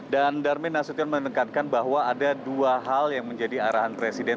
darmin nasution menekankan bahwa ada dua hal yang menjadi arahan presiden